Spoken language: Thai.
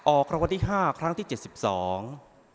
ออกคำวัติห้าครั้งที่เจ็ดสิบสอง